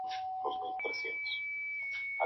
Forma parte de las normativas dedicadas a habitabilidad.